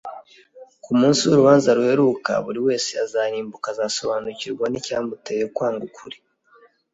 Ku munsi w'urubanza ruheruka, buri wese uzarimbuka azasobanukirwa n'icyamuteye kwanga ukuri